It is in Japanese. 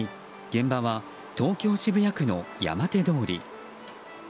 現場は東京・渋谷区の山手通り。